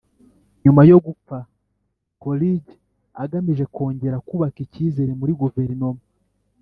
nyuma yo gupfa, coolidge agamije kongera kubaka ikizere muri guverinoma